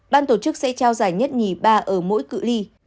ban tổ chức sẽ trao giải nhất nhì ba ở mỗi cửa ly